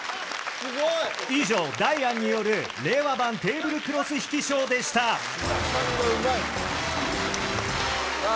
すごい以上ダイアンによる令和版テーブルクロス引きショーでしたさあ